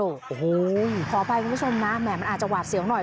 โอ้โหขออภัยคุณผู้ชมนะแหมมันอาจจะหวาดเสียวหน่อย